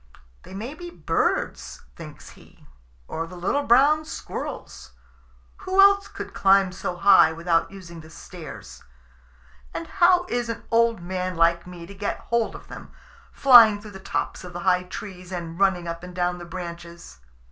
"They may be birds," thinks he, "or the little brown squirrels. Who else could climb so high without using the stairs? And how is an old man like me to get hold of them, flying through the tops of the high trees and running up and down the branches?"